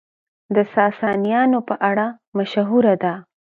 د ساسانيانو په اړه مشهوره ده،